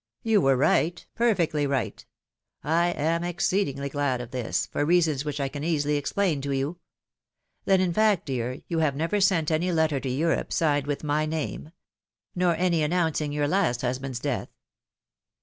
"You were right, perfectly right. I am exceedingly glad of this, for reasons which I can easily explain to you. Then in fact, dear, you have never sent any letter to Europe, signed with my name? Nor any announcing your last husband's death?"